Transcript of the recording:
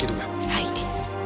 はい。